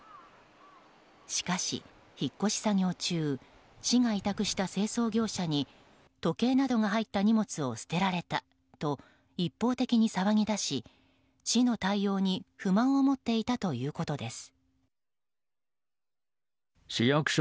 しかし、引っ越し作業中市が委託した清掃業者に時計などが入った荷物を捨てられたと一方的に騒ぎ出し、市の対応に不満を持っていたということです。